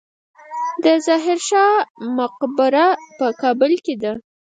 د ظاهر شاه مقبره په کابل کې ده